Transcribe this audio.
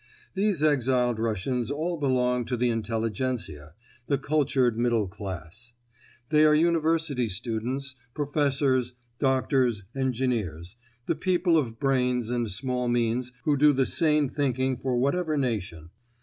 These exiled Russians all belong to the Intelligencia—the cultured middle class. They are university students, professors, doctors, engineers—the people of brains and small means who do the sane thinking for whatever nation.